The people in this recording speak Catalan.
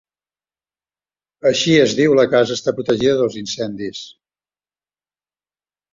Així, es diu, la casa està protegida dels incendis.